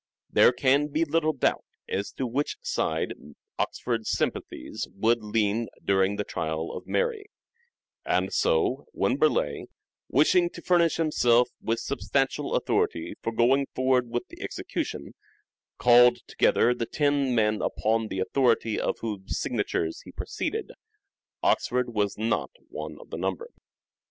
Queen Mary There can be little doubt as to which side Oxford's sympathies would lean during the trial of Mary ; and so, when Burleigh, wishing to furnish himself with substantial authority for going forward with the execution, called together the ten men upon the authority of whose signatures he proceeded, Oxford was not one of the number.